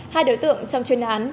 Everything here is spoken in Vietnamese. hai đối tượng trong chuyên án